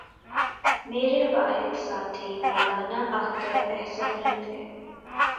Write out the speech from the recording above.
میرے واحد ساتھی مولانا اختر احسن ہی تھے